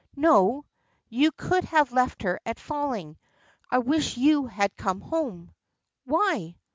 "No, you could have left her at Falling. I wish you had come home." "Why?"